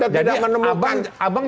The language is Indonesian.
jangan bikin itu gitu